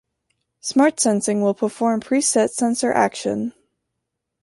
Smart sensing will perform pre-set sensor action.